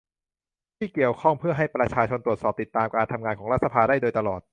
ที่เกี่ยวข้องเพื่อให้ประชาชนตรวจสอบติดตามการทำงานของรัฐสภาได้โดยตลอด